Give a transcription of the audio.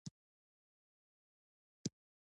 ایا ستاسو پوهنتون معیاري نه دی؟